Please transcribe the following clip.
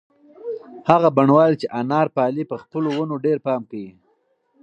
هغه بڼوال چې انار پالي په خپلو ونو ډېر پام کوي.